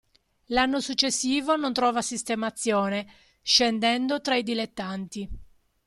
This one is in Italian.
L'anno successivo non trova sistemazione, "scendendo" tra i dilettanti.